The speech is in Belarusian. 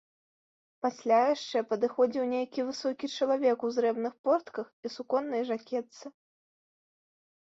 Пасля яшчэ падыходзіў нейкі высокі чалавек у зрэбных портках і суконнай жакетцы.